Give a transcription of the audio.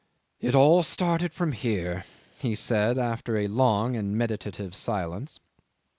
"It all started from here," he said, after a long and meditative silence.